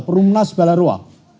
perumahan nas balarua